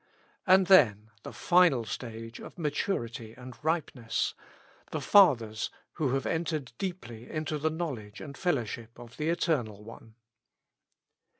And then the final stage of maturity and ripe ness ; the fathers, who have entered deeply into the knowledge and fellowship of the Eternal One.